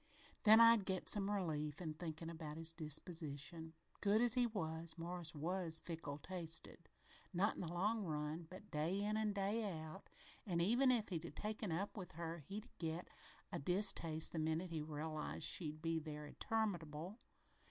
"Then I'd get some relief in thinkin' about his disposition. Good as he was, Morris was fickle tasted, not in the long run, but day in an' day out, an' even if he'd be taken up with her he'd get a distaste the minute he reelized she'd be there interminable.